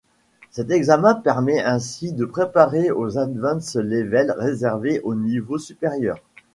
Cet examen permet ainsi de préparer au Advance Level réservé aux niveaux supérieurs.